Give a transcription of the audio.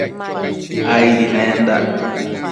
Aidi nendac